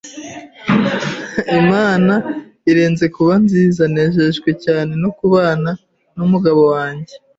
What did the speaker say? Imana irenze kuba nziza (: Nejejwe cyane no kubana n’umugabo wanjye